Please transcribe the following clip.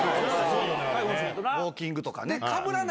ウォーキングとかな。